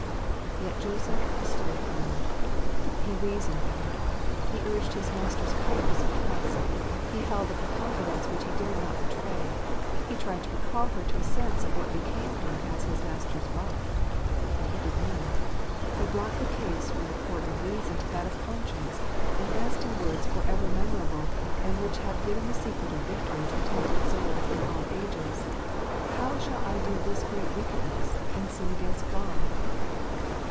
Yet Joseph stood firm. He reasoned with her. He urged his master's kindness and trust. He held up the confidence which he dared not betray. He tried to recal her to a sense of what became her as his master's wife. But he did more. He brought the case from the court of reason to that of conscience, and asked in words for ever memorable, and which have given the secret of victory to tempted souls in all ages : 11 How shall I do this great wickedness, and sin against God